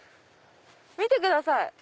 見てください